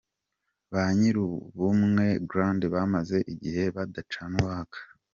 Ba nyiri Ubumwe Grande bamaze igihe badacana uwaka.